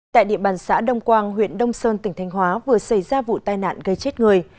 tại địa bàn xã đông quang huyện đông sơn tỉnh thanh hóa vừa xảy ra vụ tai nạn gây chết người